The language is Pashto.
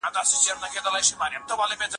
چې ادم و حوا په لومړۍ ورځ وخوړل